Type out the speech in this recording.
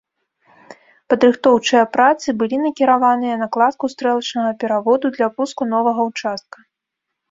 Падрыхтоўчыя працы былі накіраваныя на кладку стрэлачнага пераводу для пуску новага ўчастка.